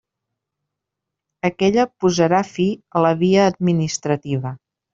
Aquella posarà fi a la via administrativa.